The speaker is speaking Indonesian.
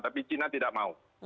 tapi china tidak mau